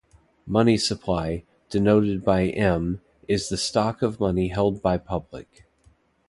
Money supply, denoted by M, is the stock of money held by public.